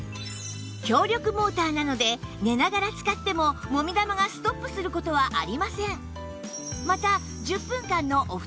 強力モーターなので寝ながら使ってももみ玉がストップする事はありません